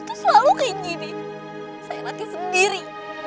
lu tuh selalu kayak gini saya nanti sendiri